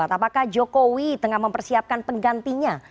apakah jokowi tengah mempersiapkan penggantinya